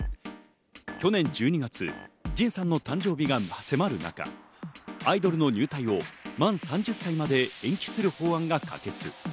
去年１２月、ＪＩＮさんの誕生日が迫る中、アイドルの入隊を満３０歳まで延期する法案が可決。